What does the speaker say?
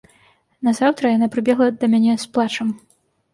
Назаўтра яна прыбегла да мяне з плачам.